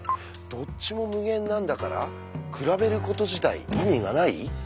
「どっちも無限なんだから比べること自体意味がない」？